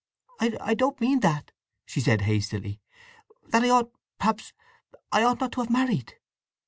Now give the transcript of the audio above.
"I don't mean that!" she said hastily. "That I ought—perhaps I ought not to have married!"